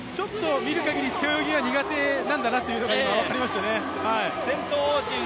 見るかぎり背泳ぎが苦手なんだなというのが分かりましたね。